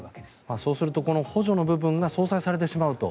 そうすると補助の部分が相殺されてしまうと。